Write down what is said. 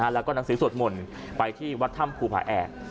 แล้วก็หนังสือสวดมนต์ไปที่วัดถ้ำภูผาแอก